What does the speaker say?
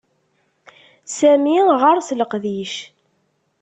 Sami ɣeṛ-s leqdic.